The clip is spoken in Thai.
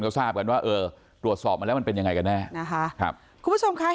ก็ทราบกันว่าเออตรวจสอบมาแล้วมันเป็นยังไงกันแน่นะคะครับคุณผู้ชมค่ะ